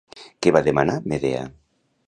Què va demanar Medea?